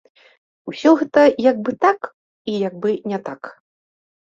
Усё гэта як бы так і як бы не так.